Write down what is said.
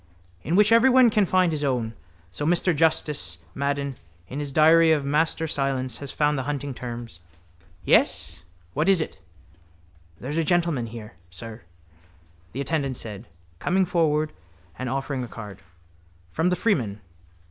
—... in which everyone can find his own. So Mr Justice Madden in his Diary of Master William Silence has found the hunting terms... Yes? What is it? —There's a gentleman here, sir, the attendant said, coming forward and offering a card. From the _Freeman.